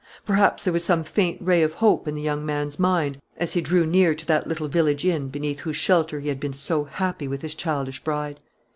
Perhaps there was some faint ray of hope in the young man's mind, as he drew near to that little village inn beneath whose shelter he had been so happy with his childish bride.